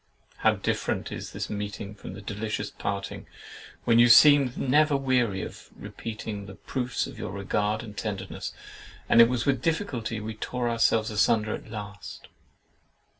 —How different is this meeting from that delicious parting, when you seemed never weary of repeating the proofs of your regard and tenderness, and it was with difficulty we tore ourselves asunder at last!